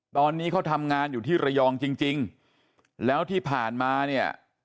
ตอนนี้เขาทำงานอยู่ที่ระยองจริงจริงแล้วที่ผ่านมาเนี่ย